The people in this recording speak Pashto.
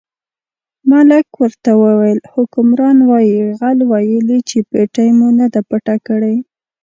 ملک ورته وویل حکمران وایي غل ویلي چې پېټۍ مو نه ده پټه کړې.